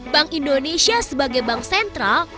bank indonesia sebagai bank sentral